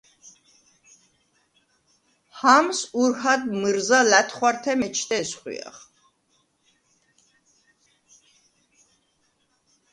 ჰამს ურჰად მჷრზა ლა̈თხვართე მეჩდე ესხვიახ.